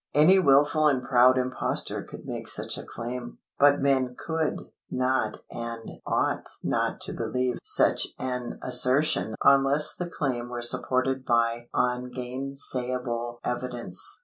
Any wilful and proud impostor could make such a claim. But men could not and ought not to believe such an assertion unless the claim were supported by ungainsayable evidence.